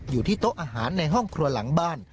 อยู่ที่โต๊ะอาหารในห้องครัวหลังบ้าน